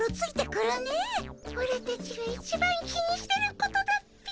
オラたちが一番気にしてることだっピ。